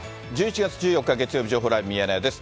１１月１４日月曜日、情報ライブミヤネ屋です。